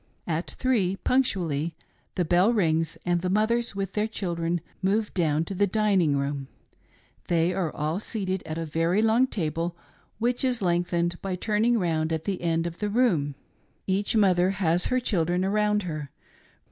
At three punctually the bell rings and the mothers with their children move down to the dining room. They are all seated at a very long table which is lengthened by turning round at the end of the room. Each mother has her children around her.